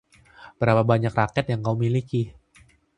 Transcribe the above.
Berapa banyak raket yang kau miliki?